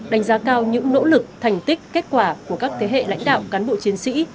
đánh giá cao những nỗ lực thành tích kết quả của các thế hệ lãnh đạo cán bộ chiến sĩ